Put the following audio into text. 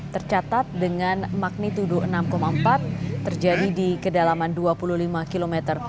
tercatat dengan magnitudo enam empat terjadi di kedalaman dua puluh lima km